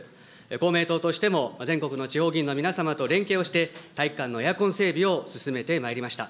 公明党としても、全国の地方議員の皆様と連携をして、体育館のエアコン整備を進めてまいりました。